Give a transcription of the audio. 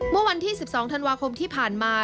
เมื่อวันที่๑๒ธันวาคมที่ผ่านมา